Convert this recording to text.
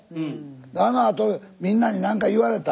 あのあとみんなに何か言われた？